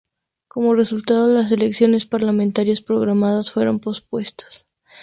Como resultado, las elecciones parlamentarias programadas fueron pospuestas.